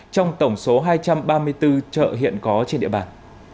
hai trăm ba mươi bốn chợ hiện có trên địa bàn